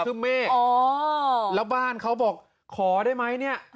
คือเมฆอ๋อแล้วบ้านเขาบอกขอได้ไหมเนี่ย